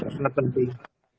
dan hanya saja memang ada prioritas